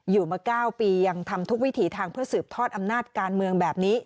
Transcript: อยู่มา๙ปียังทำทุกวิถีทางเพื่อสืบทอดอำนาจการเมืองแบบนี้